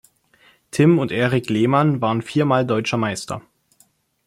Tim und Eric Lehmann waren vier Mal Deutscher Meister.